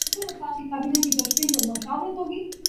ذرامیری cycle پکڑنا